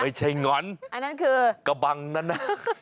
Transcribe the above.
ไม่ใช่หน่อนอันนั้นคือกระบังเนอะนะ